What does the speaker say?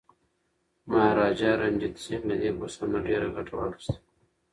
مهاراجا رنجیت سنګ له دې فرصت نه ډیره ګټه واخیسته.